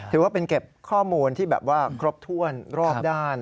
ถือว่าเป็นเก็บข้อมูลที่แบบว่าครบถ้วนรอบด้าน